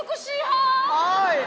はい。